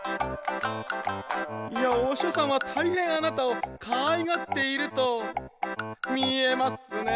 「御師匠さんは大変あなたを可愛がっていると見えますね」